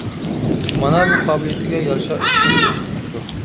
مانا بۇ قابىلىيىتىگە يارىشا ئىشقا قويۇش دېمەكتۇر.